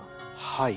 はい。